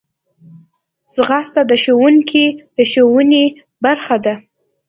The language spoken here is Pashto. ځغاسته د ښوونکي د ښوونې برخه ده